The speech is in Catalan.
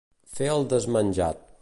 Fer el desmenjat.